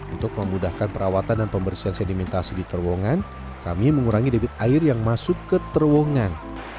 untuk memudahkan perawatan dan pembersihan sedimentasi di terowongan kami mengurangi debit air yang masuk ke terowongan